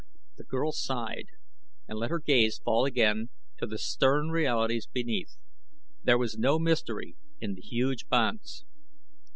The girl sighed and let her gaze fall again to the stern realities beneath. There was no mystery in the huge banths.